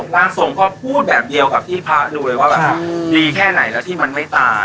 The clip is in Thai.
ร่างทรงเขาพูดแบบเดียวกับที่พระดูเลยว่าแบบดีแค่ไหนแล้วที่มันไม่ตาย